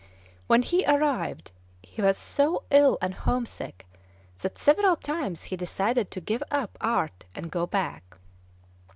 When he arrived, he was so ill and homesick that several times he decided to give up art and go back.